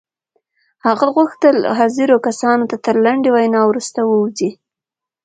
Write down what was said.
هغه غوښتل حاضرو کسانو ته تر لنډې وينا وروسته ووځي.